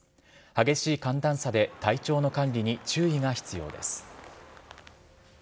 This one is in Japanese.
激しい寒暖差で体調の管理に注意が必要です。